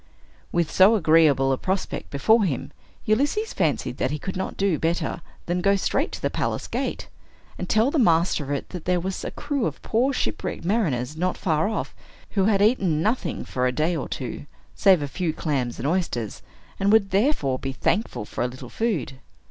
With so agreeable a prospect before him, Ulysses fancied that he could not do better than go straight to the palace gate, and tell the master of it that there was a crew of poor shipwrecked mariners, not far off, who had eaten nothing for a day or two, save a few clams and oysters, and would therefore be thankful for a little food.